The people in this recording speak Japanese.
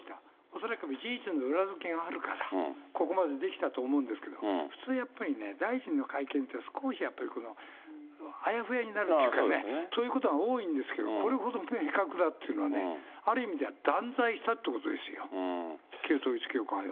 恐らく事実の裏付けがあるから、ここまで出来たと思うんですけど、普通やっぱりね、大臣の会見っていうのは、少しやっぱりあやふやになるというかね、そういうことが多いんですけど、これほど明確だっていうのはね、ある意味では断罪したっていうことですよ、旧統一教会を。